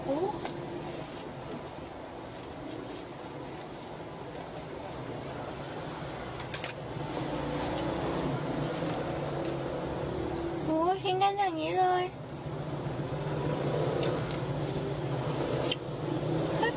โอ้ทิ้งกันแบบนี้เลย